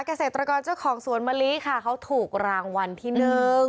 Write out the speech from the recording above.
เกษตรกรเจ้าของสวนมะลิค่ะเขาถูกรางวัลที่หนึ่ง